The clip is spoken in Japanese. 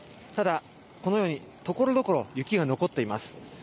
ただ、このようにところどころ、雪が残っています。